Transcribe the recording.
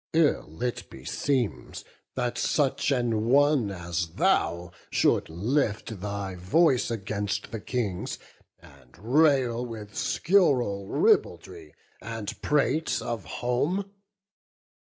Ill it beseems, that such an one as thou Should lift thy voice against the Kings, and rail With scurril ribaldry, and prate of home.